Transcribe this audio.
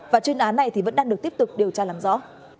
và chuyên án này vẫn đang được tiếp tục điều tra làm rõ